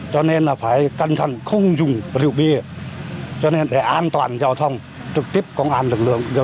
cho nên là phải căng thẳng không dùng rượu bia cho nên để an toàn giao thông trực tiếp công an lực lượng